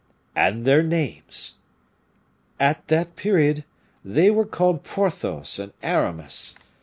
"And their names?" "At that period they were called Porthos and Aramis.